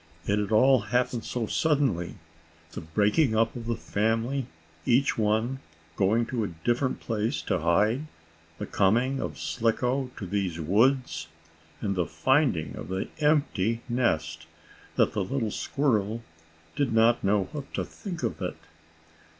It had all happened so suddenly the breaking up of the family, each one going to a different place to hide, the coming of Slicko to these woods, and the finding of the empty nest that the little squirrel did not know what to think of it.